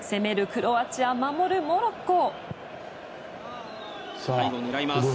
クロアチア守るモロッコ。